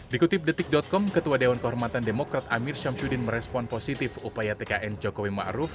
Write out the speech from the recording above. dikutip detik com ketua dewan kehormatan demokrat amir syamsuddin merespon positif upaya tkn jokowi ⁇ maruf ⁇